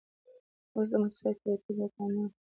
اوس د متحده سګرېټو دوکانونه په امريکا کې بازار لري.